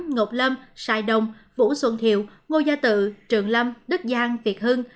ngọc lâm sài đông vũ xuân thiệu ngô gia tự trường lâm đức giang việt hưng